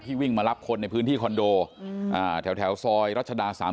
วิ่งมารับคนในพื้นที่คอนโดแถวซอยรัชดา๓๐